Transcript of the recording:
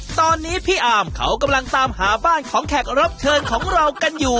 ตอนนี้พี่อาร์มเขากำลังตามหาบ้านของแขกรับเชิญของเรากันอยู่